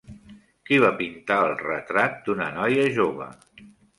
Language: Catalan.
Qui va pintar el Retrat d'una noia jove?